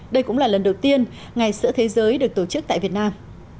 đây cũng là lần đầu tiên ngày sữa thế giới được tổ chức tại việt nam